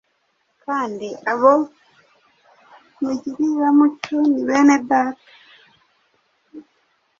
kandi abo mugirira mutyo ni bene Data.